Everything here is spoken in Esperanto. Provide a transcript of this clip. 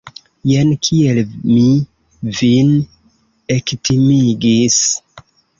Jen kiel mi vin ektimigis!